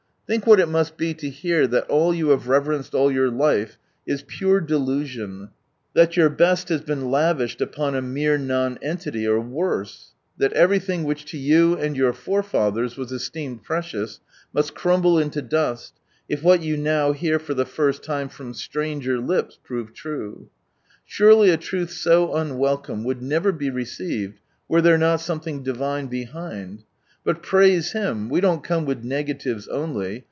Think what it must be to hear that all you have reverenced all your life is pure delusion ; that your best has been lavished upon a mere Nonentity, or worse ; that everything which to you and your forefathers was esteemed precious, must crumble inio dust, if what you now hear for ihe first lime from stranger lips prove true. Surely a truth so unwelcome would never be received, were there not something Divine behind. But praise Him ! we don't come with negatives only.